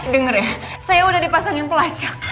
denger ya saya udah dipasangin pelacak